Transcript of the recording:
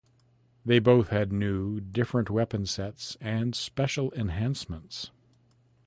These both had new, different weapon sets and special enhancements.